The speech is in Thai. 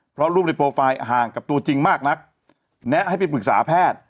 เพราะรูปในโปรไฟล์ห่างกับตัวจริงมากนักแนะให้ไปปรึกษาแพทย์